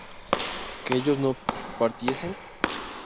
¿que ellos no partiesen?